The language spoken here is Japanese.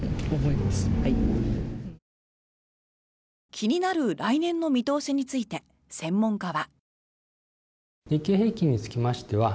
気になる来年の見通しについて専門家は。